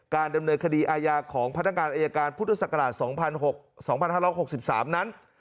การดำเนินคดีอาญาของพนักงานอายการพุทธศักราช๒๕๖๓นั้น